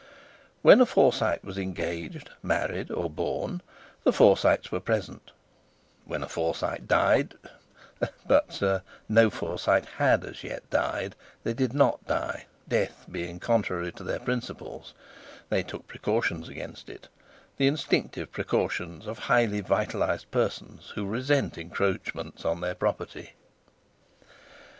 When a Forsyte was engaged, married, or born, the Forsytes were present; when a Forsyte died—but no Forsyte had as yet died; they did not die; death being contrary to their principles, they took precautions against it, the instinctive precautions of highly vitalized persons who resent encroachments on their property.